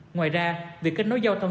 ngoài ra việc kết nối giao thông